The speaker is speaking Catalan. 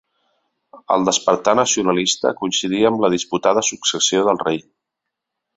El despertar nacionalista coincidí amb la disputada successió del rei.